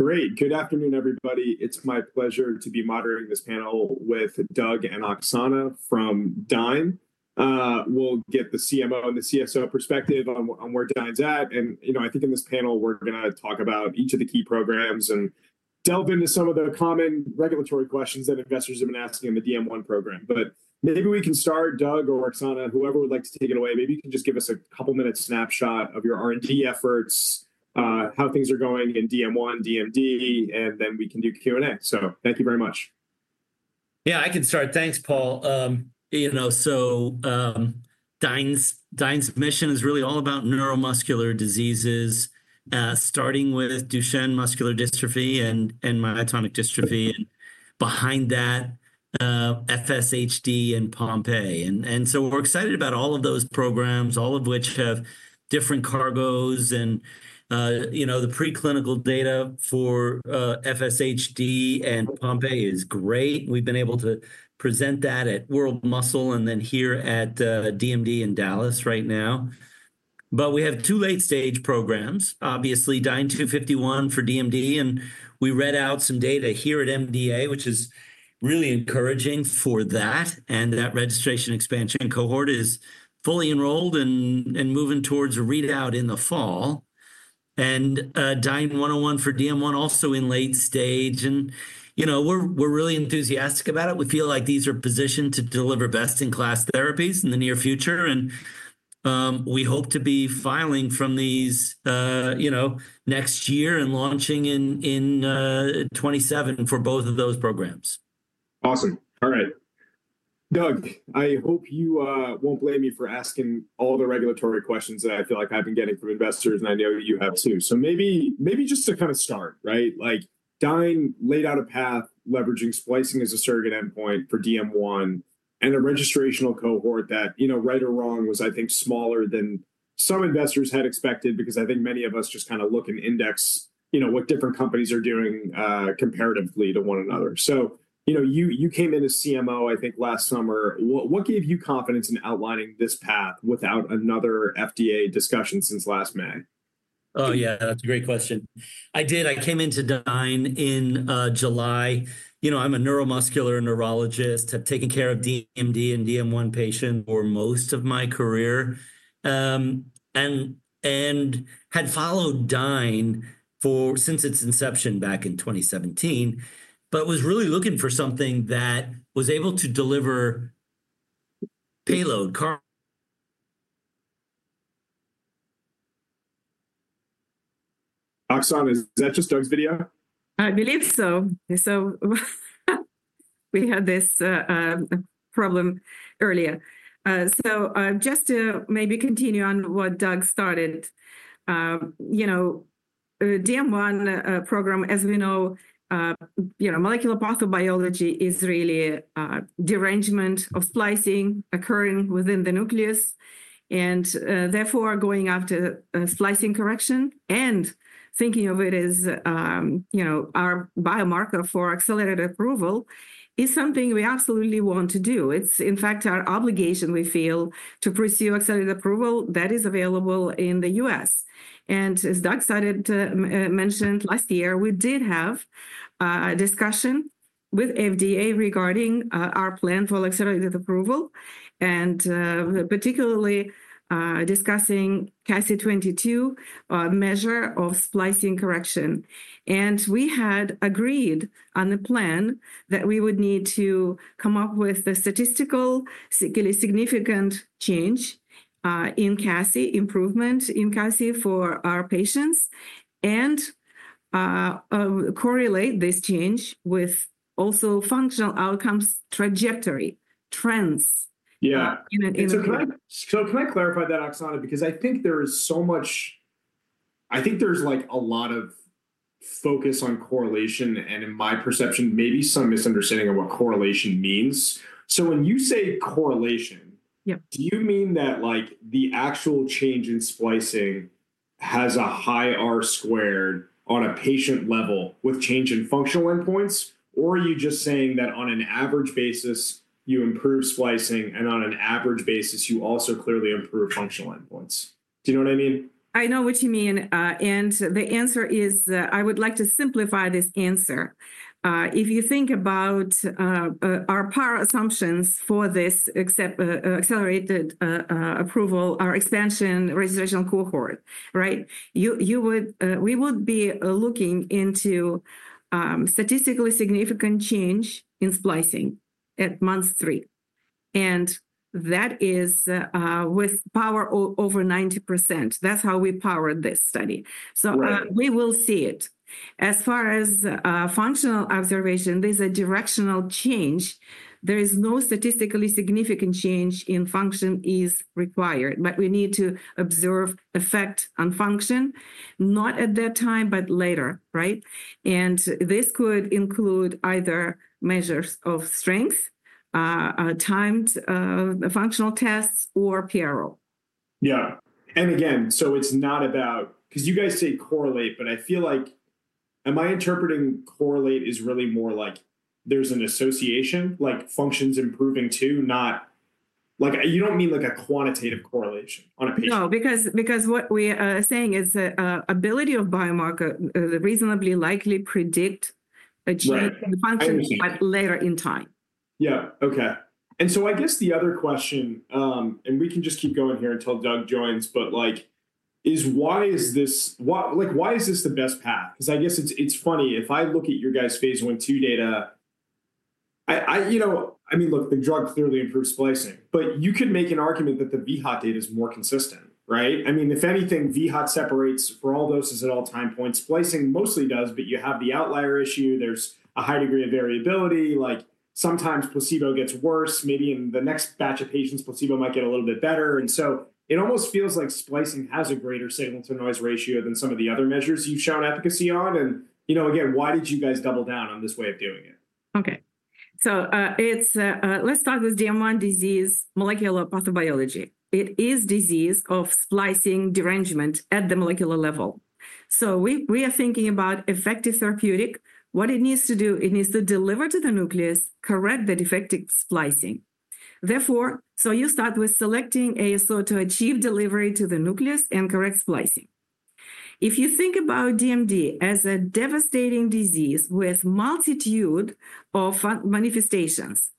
Great. Good afternoon, everybody. It's my pleasure to be moderating this panel with Doug and Oxana from Dyne. We'll get the CMO and the CSO perspective on where Dyne's at. I think in this panel, we're going to talk about each of the key programs and delve into some of the common regulatory questions that investors have been asking in the DM1 program. Maybe we can start, Doug or Oxana, whoever would like to take it away. Maybe you can just give us a couple-minute snapshot of your R&D efforts, how things are going in DM1, DMD, and then we can do Q&A. Thank you very much. Yeah, I can start. Thanks, Paul. You know, Dyne's mission is really all about neuromuscular diseases, starting with Duchenne muscular dystrophy and myotonic dystrophy, and behind that, FSHD and Pompe disease. We are excited about all of those programs, all of which have different cargoes. The preclinical data for FSHD and Pompe disease is great. We have been able to present that at World Muscle and here at MDA in Dallas right now. We have two late-stage programs, obviously, DYNE-251 for DMD. We read out some data here at MDA, which is really encouraging for that. That registration expansion cohort is fully enrolled and moving towards a readout in the fall. DYNE-101 for DM1 is also in late stage. We are really enthusiastic about it. We feel like these are positioned to deliver best-in-class therapies in the near future. We hope to be filing from these next year and launching in 2027 for both of those programs. Awesome. All right. Doug, I hope you won't blame me for asking all the regulatory questions that I feel like I've been getting from investors, and I know that you have too. Maybe just to kind of start, right? Dyne laid out a path leveraging splicing as a surrogate endpoint for DM1 and a registrational cohort that, right or wrong, was, I think, smaller than some investors had expected because I think many of us just kind of look and index what different companies are doing comparatively to one another. You came in as CMO, I think, last summer. What gave you confidence in outlining this path without another FDA discussion since last May? Oh, yeah, that's a great question. I did. I came into Dyne in July. I'm a neuromuscular neurologist, have taken care of DMD and DM1 patients for most of my career, and had followed Dyne since its inception back in 2017, but was really looking for something that was able to deliver payload. Oxana, is that just Doug's video? I believe so. We had this problem earlier. Just to maybe continue on what Doug started, DM1 program, as we know, molecular pathobiology is really a derangement of splicing occurring within the nucleus. Therefore, going after splicing correction and thinking of it as our biomarker for accelerated approval is something we absolutely want to do. It's, in fact, our obligation, we feel, to pursue accelerated approval that is available in the U.S. As Doug started to mention last year, we did have a discussion with FDA regarding our plan for accelerated approval, and particularly discussing CASI-22 measure of splicing correction. We had agreed on the plan that we would need to come up with a statistically significant change in CASI, improvement in CASI for our patients, and correlate this change with also functional outcomes, trajectory trends. Yeah. Can I clarify that, Oxana? I think there is so much—I think there's a lot of focus on correlation, and in my perception, maybe some misunderstanding of what correlation means. When you say correlation, do you mean that the actual change in splicing has a high R-squared on a patient level with change in functional endpoints, or are you just saying that on an average basis, you improve splicing, and on an average basis, you also clearly improve functional endpoints? Do you know what I mean? I know what you mean. The answer is, I would like to simplify this answer. If you think about our power assumptions for this accelerated approval, our expansion registration cohort, right, we would be looking into statistically significant change in splicing at month three. That is with power over 90%. That's how we powered this study. We will see it. As far as functional observation, there's a directional change. There is no statistically significant change in function that is required, but we need to observe effect on function, not at that time, but later, right? This could include either measures of strength, timed functional tests, or PRO. Yeah. Again, so it's not about—because you guys say correlate, but I feel like, am I interpreting correlate as really more like there's an association, like function's improving too, not like you don't mean like a quantitative correlation on a patient? No, because what we are saying is the ability of biomarker to reasonably likely predict a change in function, but later in time. Yeah. OK. I guess the other question—and we can just keep going here until Doug joins—why is this the best path? I guess it's funny. If I look at your guys' phase one two data, I mean, look, the drug clearly improves splicing. You could make an argument that the VHOT data is more consistent, right? I mean, if anything, VHOT separates for all doses at all time points. Splicing mostly does, but you have the outlier issue. There's a high degree of variability. Sometimes placebo gets worse. Maybe in the next batch of patients, placebo might get a little bit better. It almost feels like splicing has a greater signal-to-noise ratio than some of the other measures you've shown efficacy on. Again, why did you guys double down on this way of doing it? OK. Let's start with DM1 disease molecular pathobiology. It is a disease of splicing derangement at the molecular level. We are thinking about effective therapeutic. What it needs to do, it needs to deliver to the nucleus, correct the defective splicing. Therefore, you start with selecting ASO to ACHIEVE delivery to the nucleus and correct splicing. If you think about DMD as a devastating disease with a multitude of manifestations,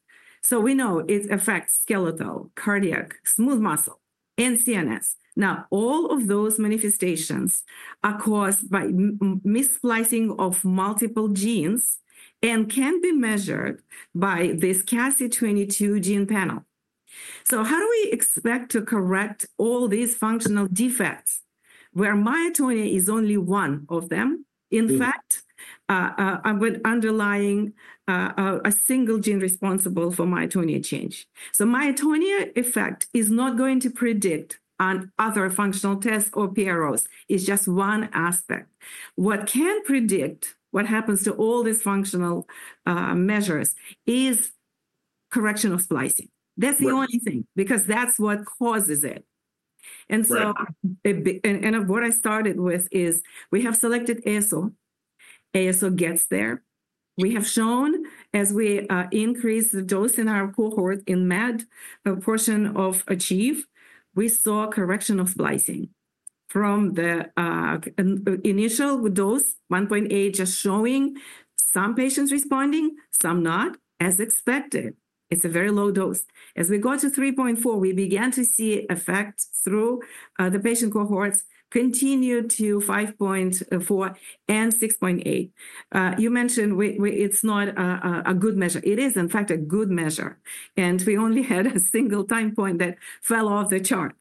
we know it affects skeletal, cardiac, smooth muscle, and CNS. All of those manifestations are caused by missplicing of multiple genes and can be measured by this CASI-22 gene panel. How do we expect to correct all these functional defects where myotonia is only one of them? In fact, with underlying a single gene responsible for myotonia change. Myotonia effect is not going to predict on other functional tests or PROs. It's just one aspect. What can predict what happens to all these functional measures is correction of splicing. That's the only thing because that's what causes it. What I started with is we have selected ASO. ASO gets there. We have shown as we increase the dose in our cohort in MAD portion of ACHIEVE, we saw correction of splicing from the initial dose, 1.8, just showing some patients responding, some not, as expected. It's a very low dose. As we go to 3.4, we began to see effect through the patient cohorts continue to 5.4 and 6.8. You mentioned it's not a good measure. It is, in fact, a good measure. We only had a single time point that fell off the chart.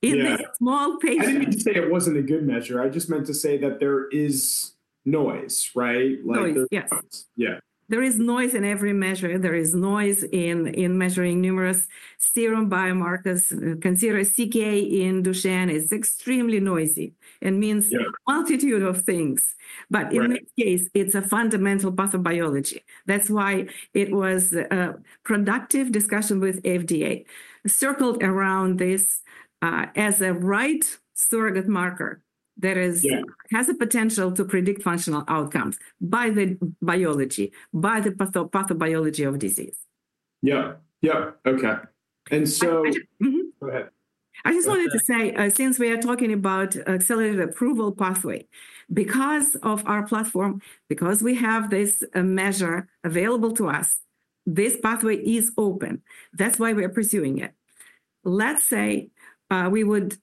In the small patient. I didn't mean to say it wasn't a good measure. I just meant to say that there is noise, right? Oh, yes. Yeah. There is noise in every measure. There is noise in measuring numerous serum biomarkers. Consider CK in Duchenne is extremely noisy and means a multitude of things. In this case, it's a fundamental pathobiology. That is why it was a productive discussion with FDA circled around this as a right surrogate marker that has the potential to predict functional outcomes by the biology, by the pathobiology of disease. Yeah. Yeah. OK. Go ahead. I just wanted to say, since we are talking about accelerated approval pathway, because of our platform, because we have this measure available to us, this pathway is open. That's why we are pursuing it. Let's say we would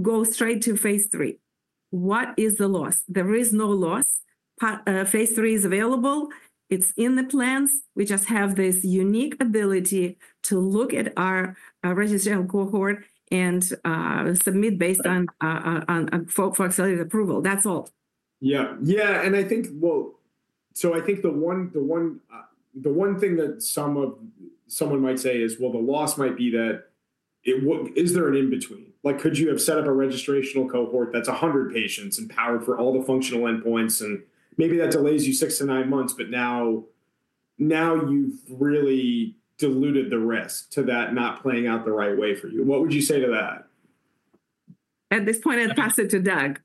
go straight to phase three. What is the loss? There is no loss. Phase three is available. It's in the plans. We just have this unique ability to look at our registration cohort and submit based on for accelerated approval. That's all. Yeah. Yeah. I think, well, I think the one thing that someone might say is, well, the loss might be that is there an in-between? Could you have set up a registrational cohort that's 100 patients and powered for all the functional endpoints? Maybe that delays you six to nine months, but now you've really diluted the risk to that not playing out the right way for you. What would you say to that? At this point, I'd pass it to Doug.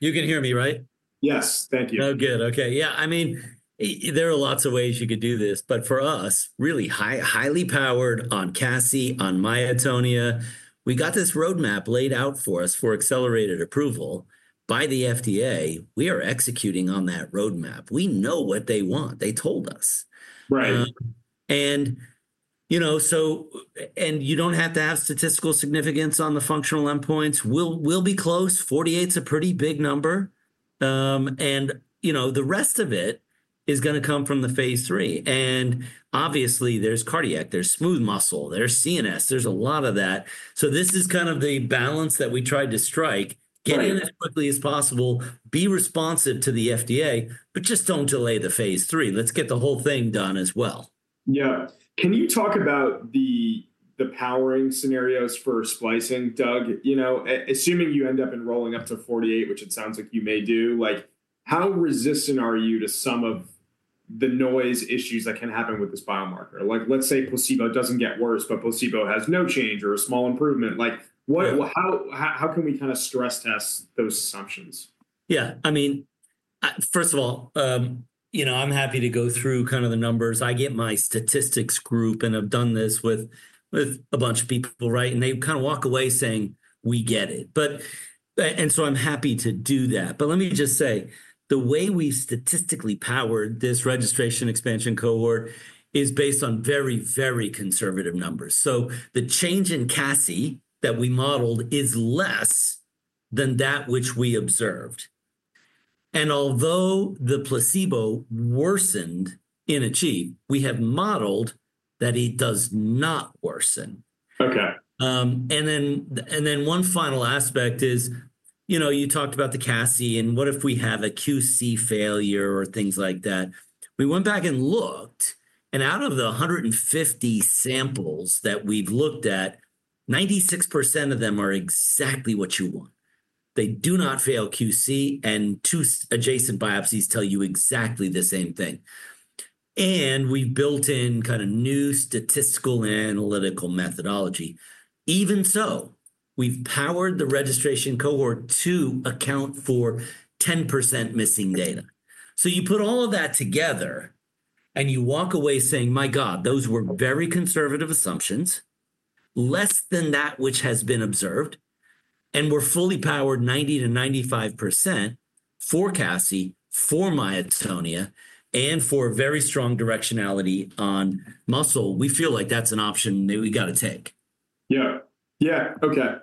You can hear me, right? Yes. Thank you. Oh, good. OK. Yeah. I mean, there are lots of ways you could do this. For us, really highly powered on CASI, on myotonia, we got this roadmap laid out for us for accelerated approval by the FDA. We are executing on that roadmap. We know what they want. They told us. Right. You do not have to have statistical significance on the functional endpoints. We will be close. Forty-eight is a pretty big number. The rest of it is going to come from the phase three. Obviously, there is cardiac, there is smooth muscle, there is CNS, there is a lot of that. This is kind of the balance that we tried to strike, get in as quickly as possible, be responsive to the FDA, but just do not delay the phase three. Let's get the whole thing done as well. Yeah. Can you talk about the powering scenarios for splicing, Doug? Assuming you end up enrolling up to 48, which it sounds like you may do, how resistant are you to some of the noise issues that can happen with this biomarker? Let's say placebo doesn't get worse, but placebo has no change or a small improvement. How can we kind of stress test those assumptions? Yeah. I mean, first of all, I'm happy to go through kind of the numbers. I get my statistics group, and I've done this with a bunch of people, right? They kind of walk away saying, we get it. I'm happy to do that. Let me just say, the way we've statistically powered this registration expansion cohort is based on very, very conservative numbers. The change in CASI that we modeled is less than that which we observed. Although the placebo worsened in ACHIEVE, we have modeled that it does not worsen. OK. One final aspect is you talked about the CASI. What if we have a QC failure or things like that? We went back and looked. Out of the 150 samples that we've looked at, 96% of them are exactly what you want. They do not fail QC, and two adjacent biopsies tell you exactly the same thing. We've built in kind of new statistical and analytical methodology. Even so, we've powered the registration cohort to account for 10% missing data. You put all of that together, and you walk away saying, my God, those were very conservative assumptions, less than that which has been observed. We're fully powered 90%-95% for CASI, for myotonia, and for very strong directionality on muscle. We feel like that's an option that we've got to take. Yeah. Yeah. OK.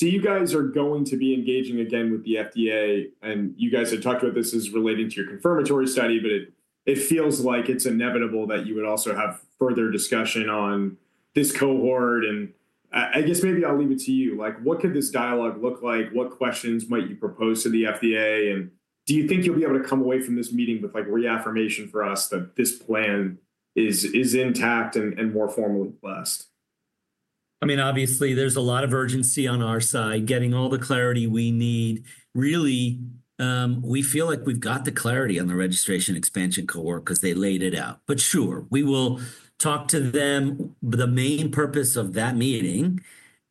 You guys are going to be engaging again with the FDA. You guys had talked about this as relating to your confirmatory study, but it feels like it's inevitable that you would also have further discussion on this cohort. I guess maybe I'll leave it to you. What could this dialogue look like? What questions might you propose to the FDA? Do you think you'll be able to come away from this meeting with reaffirmation for us that this plan is intact and more formally blessed? I mean, obviously, there's a lot of urgency on our side, getting all the clarity we need. Really, we feel like we've got the clarity on the registration expansion cohort because they laid it out. Sure, we will talk to them. The main purpose of that meeting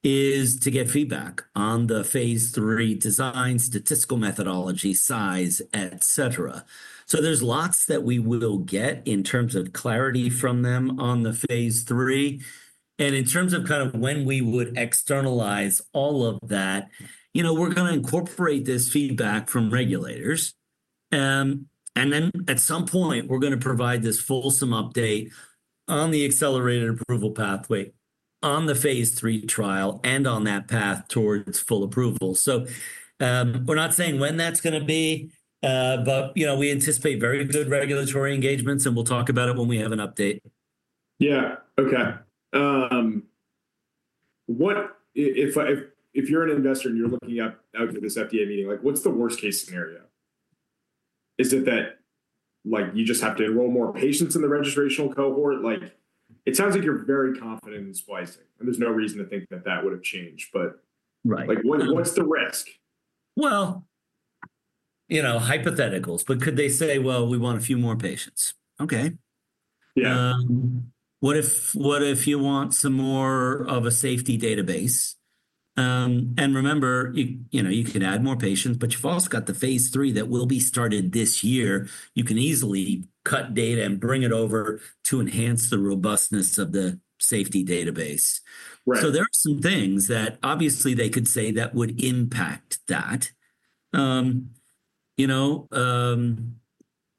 is to get feedback on the phase three design, statistical methodology, size, et cetera. There is lots that we will get in terms of clarity from them on the phase three. In terms of kind of when we would externalize all of that, we're going to incorporate this feedback from regulators. At some point, we're going to provide this fulsome update on the accelerated approval pathway on the phase three trial and on that path towards full approval. We're not saying when that's going to be, but we anticipate very good regulatory engagements. We will talk about it when we have an update. Yeah. OK. If you're an investor and you're looking out for this FDA meeting, what's the worst-case scenario? Is it that you just have to enroll more patients in the registrational cohort? It sounds like you're very confident in splicing. There's no reason to think that that would have changed. What's the risk? Hypotheticals. But could they say, well, we want a few more patients? OK. Yeah. What if you want some more of a safety database? Remember, you can add more patients, but you've also got the phase three that will be started this year. You can easily cut data and bring it over to enhance the robustness of the safety database. There are some things that obviously they could say that would impact that.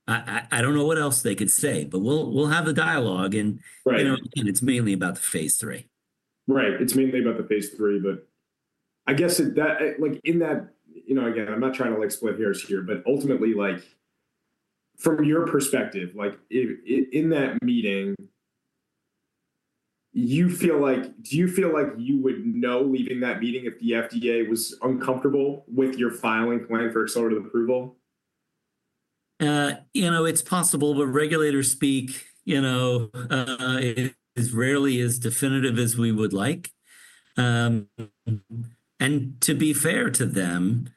I don't know what else they could say. We'll have a dialogue. Again, it's mainly about the phase three. Right. It's mainly about the phase three. I guess in that, again, I'm not trying to split hairs here, but ultimately, from your perspective, in that meeting, do you feel like you would know leaving that meeting if the FDA was uncomfortable with your filing plan for accelerated approval? It's possible. Regulators speak. It rarely is as definitive as we would like. To be fair to them,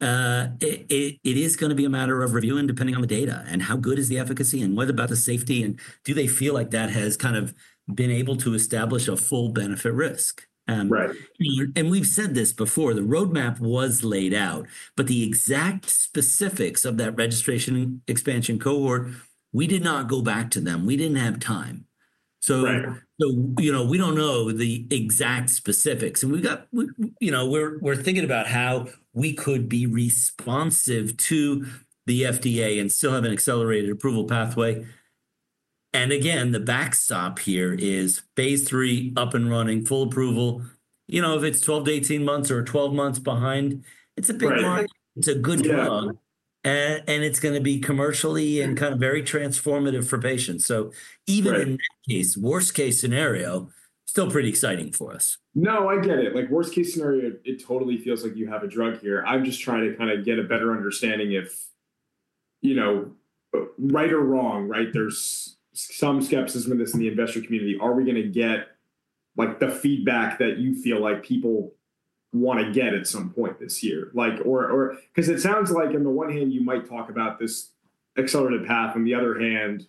it is going to be a matter of reviewing depending on the data and how good is the efficacy and what about the safety? Do they feel like that has kind of been able to establish a full benefit risk? Right. We have said this before. The roadmap was laid out. The exact specifics of that registration expansion cohort, we did not go back to them. We did not have time. We do not know the exact specifics. We are thinking about how we could be responsive to the FDA and still have an accelerated approval pathway. The backstop here is phase three, up and running, full approval. If it is 12-18 months or 12 months behind, it is a big mark. It is a good drug. It is going to be commercially and kind of very transformative for patients. Even in that case, worst-case scenario, still pretty exciting for us. No, I get it. Worst-case scenario, it totally feels like you have a drug here. I'm just trying to kind of get a better understanding if right or wrong, there's some skepticism in this in the investor community. Are we going to get the feedback that you feel like people want to get at some point this year? Because it sounds like on the one hand, you might talk about this accelerated path. On the other hand,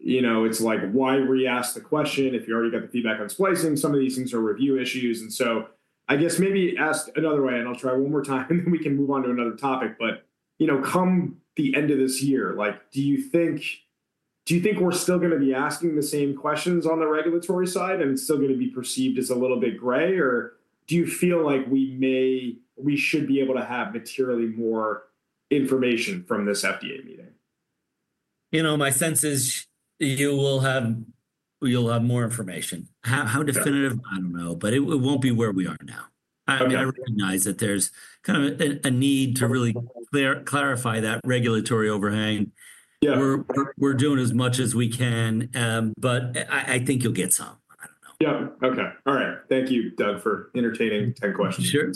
it's like, why re-ask the question if you already got the feedback on splicing? Some of these things are review issues. I guess maybe ask another way. I'll try one more time. Then we can move on to another topic. Come the end of this year, do you think we're still going to be asking the same questions on the regulatory side and still going to be perceived as a little bit gray? Or do you feel like we should be able to have materially more information from this FDA meeting? My sense is you'll have more information. How definitive, I don't know. It won't be where we are now. I recognize that there's kind of a need to really clarify that regulatory overhang. We're doing as much as we can. I think you'll get some. I don't know. Yeah. OK. All right. Thank you, Doug, for entertaining 10 questions. Sure.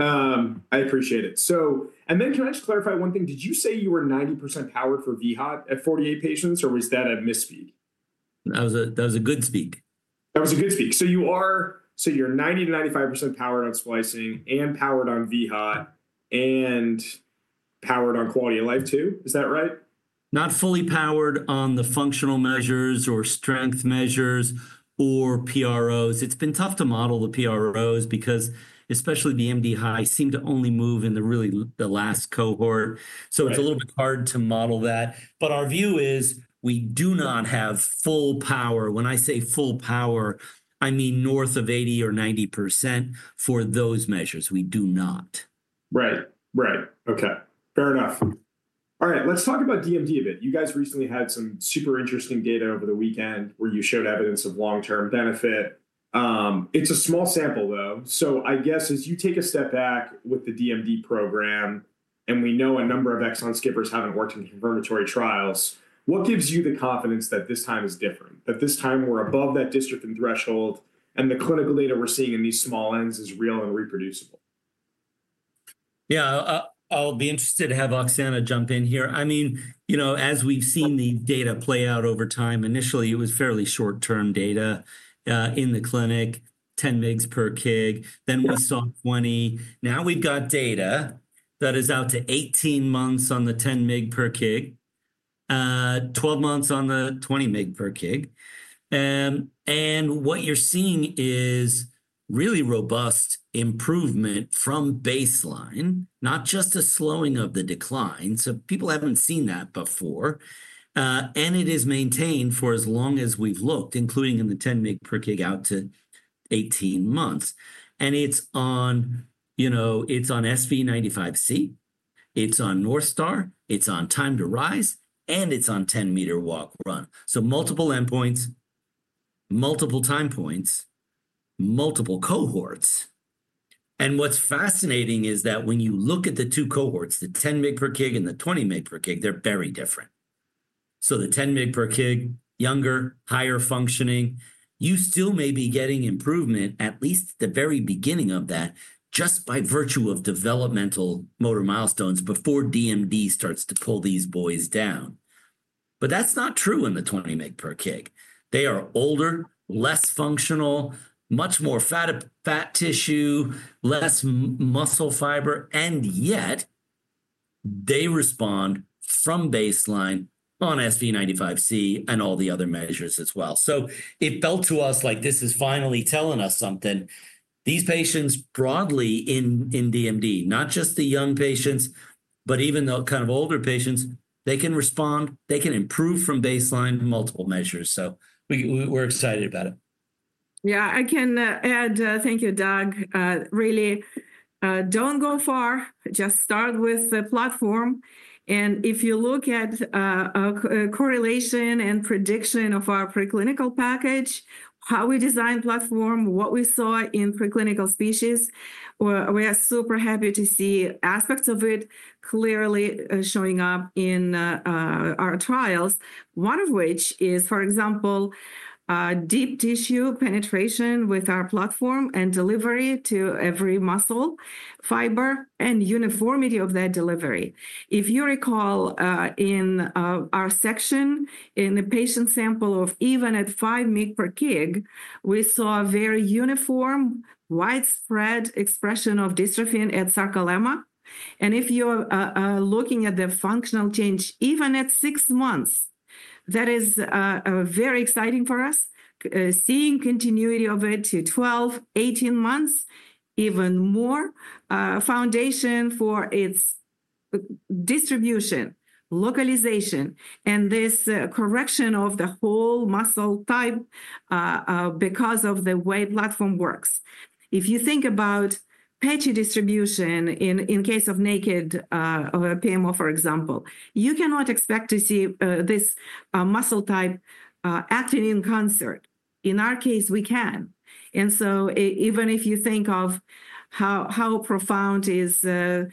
I appreciate it. Can I just clarify one thing? Did you say you were 90% powered for VHOT at 48 patients? Or was that a misspeak? That was a good speech. That was a good speech. You're 90%-95% powered on splicing and powered on VHOT and powered on quality of life too? Is that right? Not fully powered on the functional measures or strength measures or PROs. It's been tough to model the PROs because especially the MDHI seemed to only move in the last cohort. It's a little bit hard to model that. Our view is we do not have full power. When I say full power, I mean north of 80% or 90% for those measures. We do not. Right. Right. OK. Fair enough. All right. Let's talk about DMD a bit. You guys recently had some super interesting data over the weekend where you showed evidence of long-term benefit. It's a small sample, though. I guess as you take a step back with the DMD program, and we know a number of exon skippers haven't worked in confirmatory trials, what gives you the confidence that this time is different? That this time we're above that dystrophin threshold and the clinical data we're seeing in these small ends is real and reproducible? Yeah. I'll be interested to have Oxana jump in here. I mean, as we've seen the data play out over time, initially, it was fairly short-term data in the clinic, 10 mg per kg. Then we saw 20. Now we've got data that is out to 18 months on the 10 mg per kg, 12 months on the 20 mg per kg. What you're seeing is really robust improvement from baseline, not just a slowing of the decline. People haven't seen that before. It is maintained for as long as we've looked, including in the 10 mg per kg out to 18 months. It's on SV95C. It's on North Star. It's on Time to Rise. It's on 10-meter walk/run. Multiple endpoints, multiple time points, multiple cohorts. What's fascinating is that when you look at the two cohorts, the 10 mg per kg and the 20 mg per kg, they're very different. The 10 mg per kg, younger, higher functioning, you still may be getting improvement at least at the very beginning of that just by virtue of developmental motor milestones before DMD starts to pull these boys down. That is not true in the 20 mg per kg. They are older, less functional, much more fat tissue, less muscle fiber. Yet, they respond from baseline on SV95C and all the other measures as well. It felt to us like this is finally telling us something. These patients broadly in DMD, not just the young patients, but even the kind of older patients, they can respond. They can improve from baseline multiple measures. We're excited about it. Yeah. I can add, thank you, Doug. Really, don't go far. Just start with the platform. If you look at correlation and prediction of our preclinical package, how we designed platform, what we saw in preclinical species, we are super happy to see aspects of it clearly showing up in our trials, one of which is, for example, deep tissue penetration with our platform and delivery to every muscle fiber and uniformity of that delivery. If you recall, in our section in the patient sample of even at 5 mg per kg, we saw a very uniform widespread expression of dystrophin at sarcolemma. If you're looking at the functional change even at six months, that is very exciting for us, seeing continuity of it to 12, 18 months, even more foundation for its distribution, localization, and this correction of the whole muscle type because of the way platform works. If you think about patchy distribution in case of naked PMO, for example, you cannot expect to see this muscle type acting in concert. In our case, we can. Even if you think of how profound is 3%,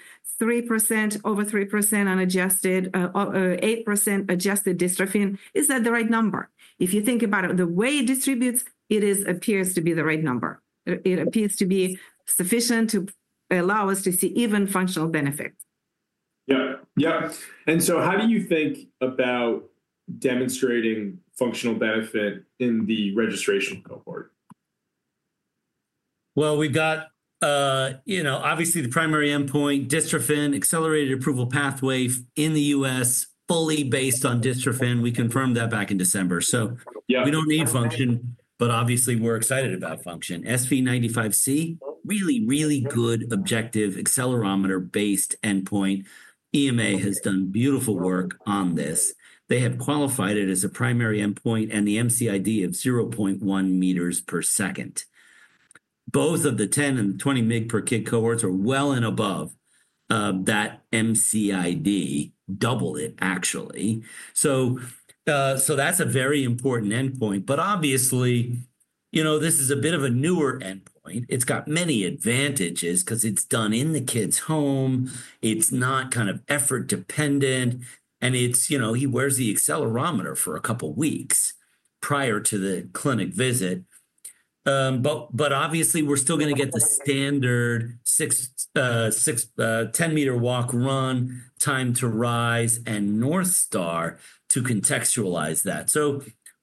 over 3%, and 8% adjusted dystrophin, is that the right number? If you think about it, the way it distributes, it appears to be the right number. It appears to be sufficient to allow us to see even functional benefit. Yeah. Yeah. How do you think about demonstrating functional benefit in the registration cohort? We've got, obviously, the primary endpoint, dystrophin, accelerated approval pathway in the U.S. fully based on dystrophin. We confirmed that back in December. We don't need function. Obviously, we're excited about function. SV95C, really, really good objective accelerometer-based endpoint. EMA has done beautiful work on this. They have qualified it as a primary endpoint and the MCID of 0.1 meters per second. Both of the 10 and 20 mg per kg cohorts are well and above that MCID, double it actually. That's a very important endpoint. Obviously, this is a bit of a newer endpoint. It's got many advantages because it's done in the kid's home. It's not kind of effort-dependent. He wears the accelerometer for a couple of weeks prior to the clinic visit. Obviously, we're still going to get the standard 10-meter walk/run, Time to Rise, and North Star to contextualize that.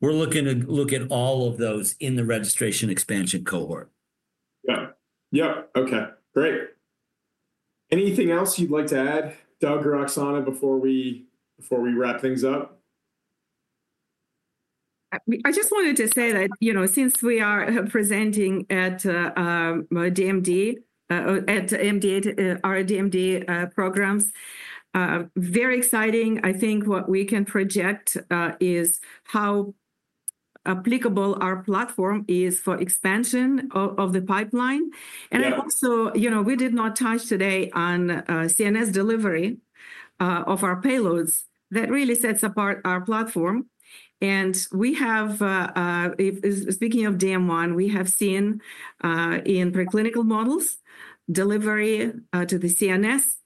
We're looking to look at all of those in the registration expansion cohort. Yeah. Yeah. OK. Great. Anything else you'd like to add, Doug or Oxana, before we wrap things up? I just wanted to say that since we are presenting at DMD, our DMD programs, very exciting. I think what we can project is how applicable our platform is for expansion of the pipeline. Also, we did not touch today on CNS delivery of our payloads. That really sets apart our platform. We have, speaking of DM1, seen in preclinical models delivery to the CNS.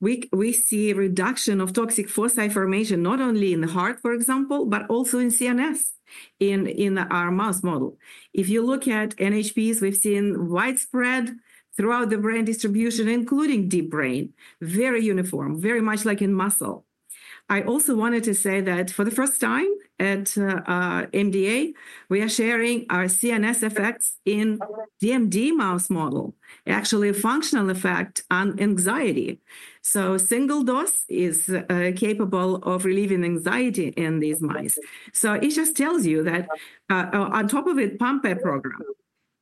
We see a reduction of toxic foci formation not only in the heart, for example, but also in CNS in our mouse model. If you look at NHPs, we've seen widespread throughout the brain distribution, including deep brain, very uniform, very much like in muscle. I also wanted to say that for the first time at MDA, we are sharing our CNS effects in DMD mouse model, actually a functional effect on anxiety. Single dose is capable of relieving anxiety in these mice. It just tells you that on top of it, Pompe program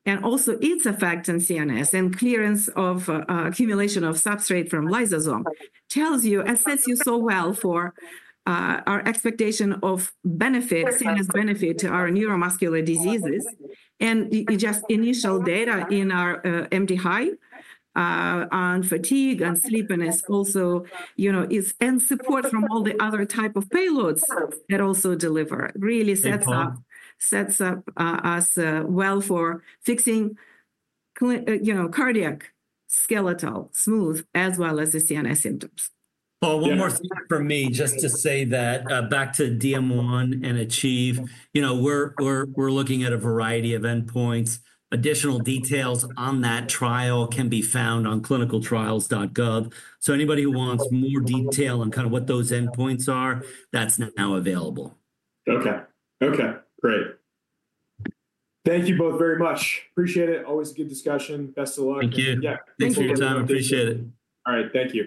and also its effect in CNS and clearance of accumulation of substrate from lysosome tells you and sets you so well for our expectation of benefit, CNS benefit to our neuromuscular diseases. Just initial data in our MDHI on fatigue and sleepiness also is and support from all the other type of payloads that also deliver. Really sets up us well for fixing cardiac, skeletal, smooth as well as the CNS symptoms. One more thing from me just to say that back to DM1 and ACHIEVE, we're looking at a variety of endpoints. Additional details on that trial can be found on clinicaltrials.gov. So anybody who wants more detail on kind of what those endpoints are, that's now available. OK. OK. Great. Thank you both very much. Appreciate it. Always a good discussion. Best of luck. Thank you. Thank you. Thanks for your time. Appreciate it. All right. Thank you.